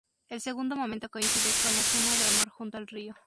El segundo momento coincide con la escena de amor junto al río.